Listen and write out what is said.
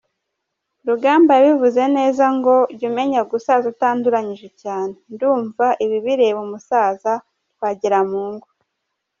Rugamba yabivuze ne ngo “jya umenya gusaza utanduranyije cyane” ndumva ibi bireba umusaza Twagiramungu.